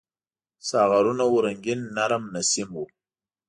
ساغرونه وو رنګین ، نرم نسیم و